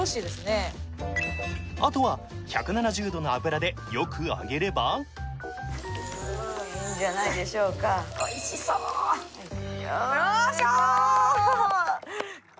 あとは１７０度の油でよく揚げればグーッいいんじゃないでしょうかよいしょ！